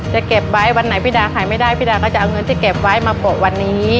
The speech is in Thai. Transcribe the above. เก็บไว้วันไหนพี่ดาขายไม่ได้พี่ดาก็จะเอาเงินที่เก็บไว้มาโปะวันนี้